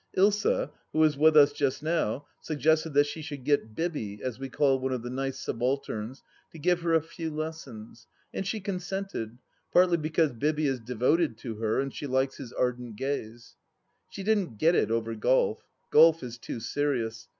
Ilsa, who is with us just now, suggested that she should get " Bibby," as we call one of the nice subalterns, to give her a few lessons, and she consented — partly because Bibby is devoted to her and she likes his ardent gaze. She didn't get it over golf. Golf is too serious.